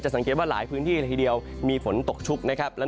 สังเกตว่าหลายพื้นที่ละทีเดียวมีฝนตกชุกนะครับ